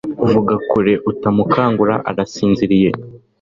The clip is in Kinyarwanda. Vugira kure utamukangura arasinziriye